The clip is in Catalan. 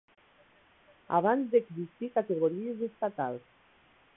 Abans d'existir categories estatals.